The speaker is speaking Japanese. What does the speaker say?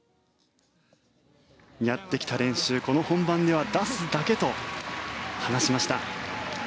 やってきた練習この本番では出すだけと話しました。